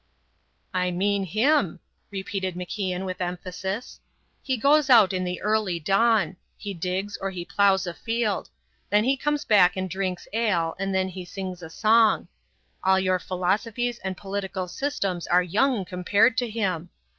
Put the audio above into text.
"I mean him," repeated MacIan with emphasis. "He goes out in the early dawn; he digs or he ploughs a field. Then he comes back and drinks ale, and then he sings a song. All your philosophies and political systems are young compared to him.